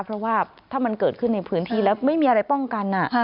เพราะว่าถ้ามันเกิดขึ้นในพื้นที่แล้วไม่มีอะไรป้องกัน